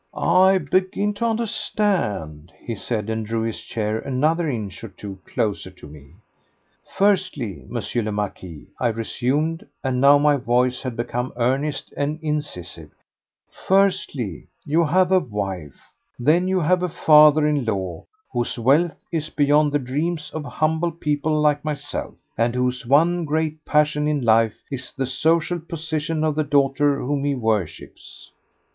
"I begin to understand," he said, and drew his chair another inch or two closer to me. "Firstly, M. le Marquis," I resumed, and now my voice had become earnest and incisive, "firstly you have a wife, then you have a father in law whose wealth is beyond the dreams of humble people like myself, and whose one great passion in life is the social position of the daughter whom he worships.